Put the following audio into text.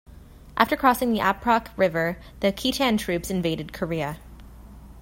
After crossing the Aprok River, the Khitan troops invaded Korea.